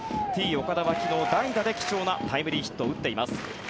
Ｔ−岡田は昨日、代打で貴重なタイムリーヒットを打っています。